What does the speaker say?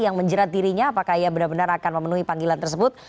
yang menjerat dirinya apakah ia benar benar akan memenuhi panggilan tersebut